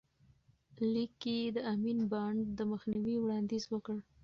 لیک کې یې د امین بانډ د مخنیوي وړاندیز وکړ.